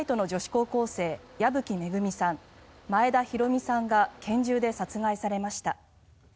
高校生矢吹恵さん、前田寛美さんが拳銃で殺害されました。